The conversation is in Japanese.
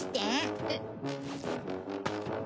えっ。